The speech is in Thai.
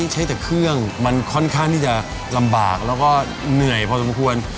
เฮ้ยอย่ารุ่น